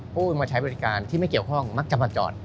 ผู้มาใช้บริการที่ไม่เกี่ยวข้องมักจะมาจอด